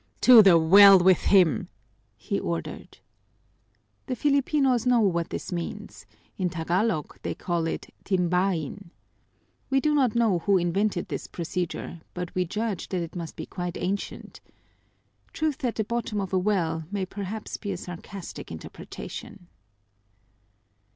"To the well with him!" he ordered. The Filipinos know what this means: in Tagalog they call it timbaín. We do not know who invented this procedure, but we judge that it must be quite ancient. Truth at the bottom of a well may perhaps be a sarcastic interpretation.